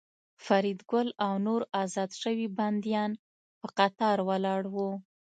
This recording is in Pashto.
فریدګل او نور ازاد شوي بندیان په قطار ولاړ وو